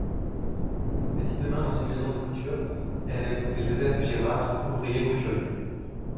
Petite-main dans une maison de couture, elle a épousé Joseph Girard, ouvrier couturier.